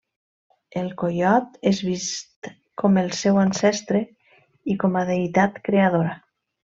El coiot és vist com el seu ancestre i com a deïtat creadora.